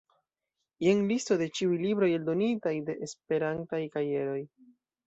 Jen listo de ĉiuj libroj eldonitaj de Esperantaj Kajeroj.